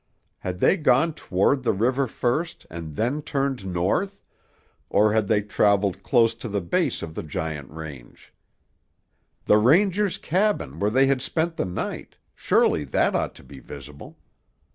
Had they gone toward the river first and then turned north or had they traveled close to the base of the giant range? The ranger's cabin where they had spent the night, surely that ought to be visible.